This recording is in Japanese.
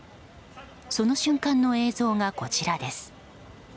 その瞬間の映像がこちらです。